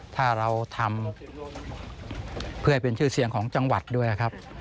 ถ้าเราทำเพื่อให้เป็นชื่อเสียงของจังหวัดด้วยครับ